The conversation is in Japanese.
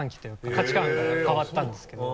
価値観が変わったんですけど。